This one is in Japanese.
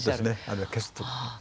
あるいは消すと。